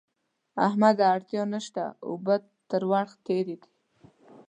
احمده! اړتیا نه شته؛ اوبه تر ورخ تېرې دي.